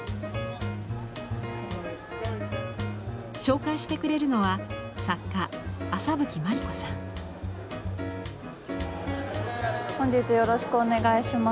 紹介してくれるのは本日よろしくお願いします。